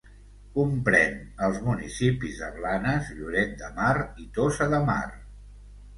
Comprèn els municipis de Blanes, Lloret de Mar i Tossa de Mar.